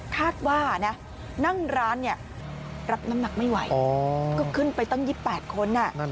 คาดว่านะนั่งร้านรับน้ำหนักไม่ไหวก็ขึ้นไปตั้ง๒๘คน